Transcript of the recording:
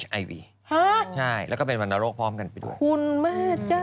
ฮะอเรนนี่ใช่แล้วก็เป็นวันโรคพร้อมกันไปด้วยคุณมากเจ้า